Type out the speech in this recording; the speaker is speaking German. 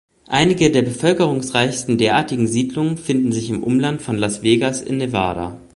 Einige der bevölkerungsreichsten derartigen Siedlungen finden sich im Umland von Las Vegas in Nevada.